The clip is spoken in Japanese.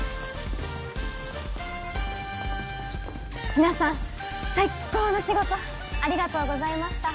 皆さん最高の仕事ありがとうございました。